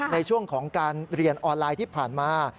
ในช่วงของการเรียนออนไลน์ที่ผ่านมา